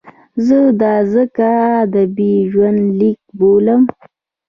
زه دا ځکه ادبي ژوندلیک بولم.